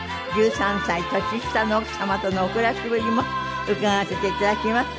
１３歳年下の奥様とのお暮らしぶりも伺わせて頂きます。